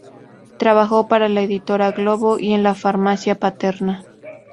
Trabajó para la Editora Globo y en la farmacia paterna.